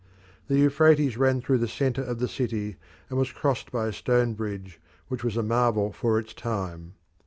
The Euphrates ran through the centre of the city, and was crossed by a stone bridge which was a marvel for its time.